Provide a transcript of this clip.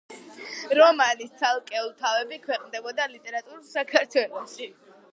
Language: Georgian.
რომანის ცალკეულ თავები ქვეყნდებოდა „ლიტერატურულ საქართველოში“.